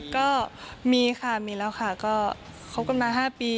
ก็มีค่ะมีแล้วค่ะก็คบกันมา๕ปี